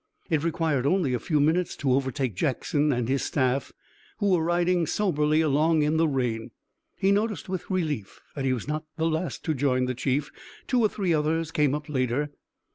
It required only a few minutes to overtake Jackson and his staff, who were riding soberly along in the rain. He noticed with relief that he was not the last to join the chief. Two or three others came up later.